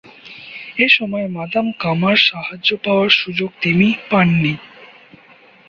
এসময় মাদাম কামার সাহায্য পাওয়ার সুযোগ তিমি পাননি।